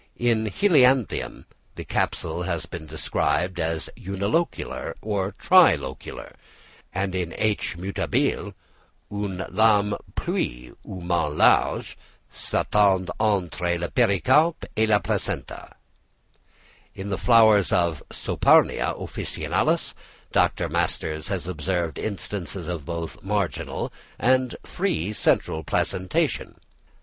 In Helianthemum the capsule has been described as unilocular or tri locular; and in H. mutabile, "Une lame plus ou moins large, s'étend entre le pericarpe et le placenta." In the flowers of Saponaria officinalis Dr. Masters has observed instances of both marginal and free central placentation.